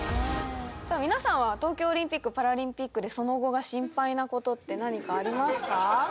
皆さんは東京オリンピックパラリンピックでその後がシンパイな事って何かありますか？